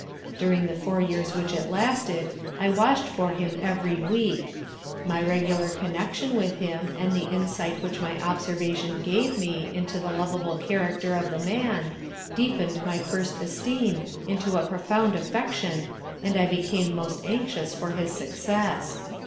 During the four years which it lasted, I washed for him every week; my regular connection with him and the insight which my observation gave me into the lovable character of the man, deepened my first esteem into a profound affection and I became most anxious for his success.